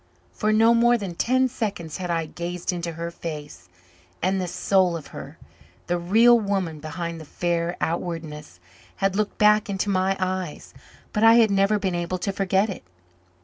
For no more than ten seconds had I gazed into her face, and the soul of her, the real woman behind the fair outwardness, had looked back into my eyes; but I had never been able to forget it.